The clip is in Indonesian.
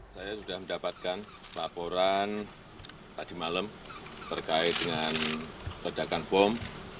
saya sudah mendapatkan laporan tadi malam terkait dengan ledakan bom